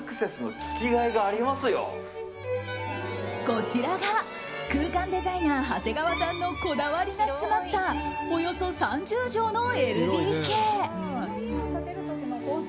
こちらが空間デザイナー、長谷川さんのこだわりが詰まったおよそ３０畳のＬＤＫ。